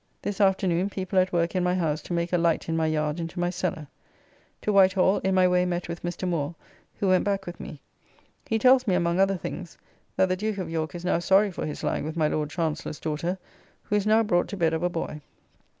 This afternoon people at work in my house to make a light in my yard into my cellar. To White Hall, in my way met with Mr. Moore, who went back with me. He tells me, among other things, that the Duke of York is now sorry for his lying with my Lord Chancellor's daughter, who is now brought to bed of a boy.